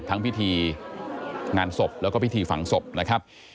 พิธีงานศพแล้วก็พิธีฝังศพนะครับ